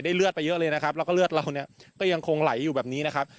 เลือดไปเยอะเลยนะครับแล้วก็เลือดเราเนี่ยก็ยังคงไหลอยู่แบบนี้นะครับ